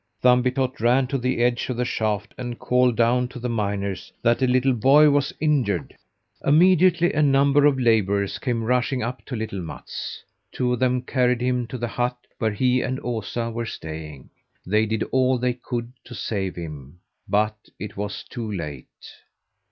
Thumbietot ran to the edge of the shaft and called down to the miners that a little boy was injured. Immediately a number of labourers came rushing up to little Mats. Two of them carried him to the hut where he and Osa were staying. They did all they could to save him, but it was too late.